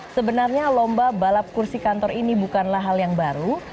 sebenarnya lomba balap kursi kantor ini bukanlah hal yang baru